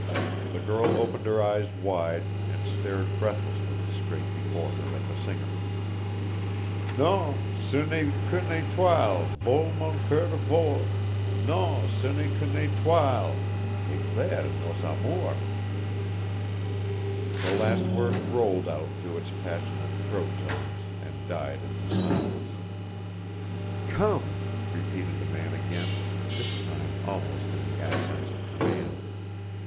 The girl opened her eyes wide and stared breathlessly straight before her at the singer. " Non, ce n'est qu'une étoile, Vole, mon coeur, vole! Non, ce n'est qu'une étoile Qu'éclaire nos amours!" The last word rolled out through its passionate throat tones and died into silence. "Come!" repeated the man again, this time almost in the accents of command.